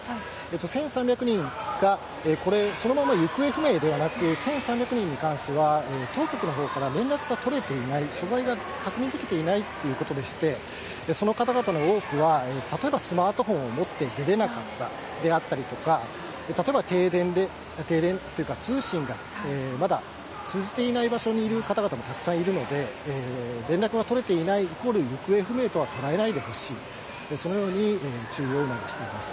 １３００人がこれ、そのまま行方不明ではなく、１３００人に関しては、当局のほうから連絡が取れていない、所在が確認できていないということでして、その方々の多くは、例えばスマートフォンを持って出れなかったであったりとか、例えば停電で、停電というか、通信がまだ通じていない場所にいる方々もたくさんいるので、連絡が取れていないイコール行方不明とは捉えないでほしい、そのように注意を促しています。